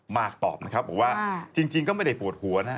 มากตอบนะครับบอกว่าจริงก็ไม่ได้ปวดหัวนะ